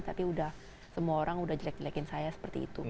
tapi udah semua orang udah jelek jelekin saya seperti itu